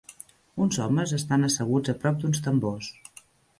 Uns homes estan asseguts a prop d'uns tambors.